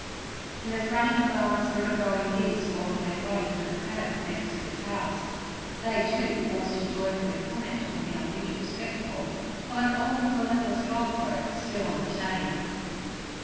And as Granny McGrath's river going geese waddled their way through the paddock next to this house, they too paused to joyfully comment on the unusual spectacle of an old and relentless dog foe still on the chain.